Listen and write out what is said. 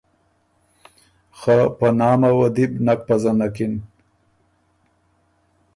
خه په نامه وه دی بو نک پزنکِن۔